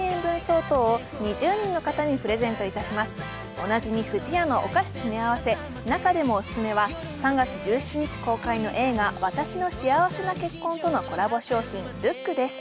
おなじみ不二家のお菓子詰合せ、中でもオススメは３月１７日公開の映画「わたしの幸せな結婚」とのコラボ商品、ルックです。